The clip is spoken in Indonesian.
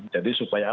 jadi supaya apa